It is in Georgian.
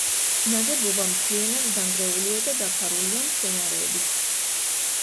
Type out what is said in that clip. ნაგებობა მთლიანად დანგრეულია და დაფარულია მცენარეებით.